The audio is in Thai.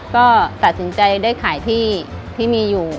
ก็ตัดสินใจได้ขายที่ที่มีอยู่